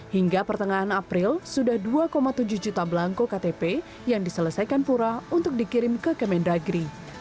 hingga pertengahan april sudah dua tujuh juta belangko ktp yang diselesaikan pura untuk dikirim ke kemendagri